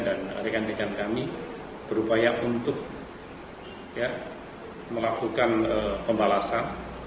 dan rekan rekan kami berupaya untuk melakukan pembalasan